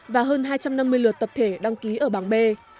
và hơn hai trăm năm mươi lượt tập thể đăng ký ở bảng b